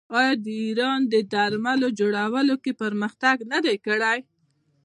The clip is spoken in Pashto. آیا ایران د درملو په جوړولو کې پرمختګ نه دی کړی؟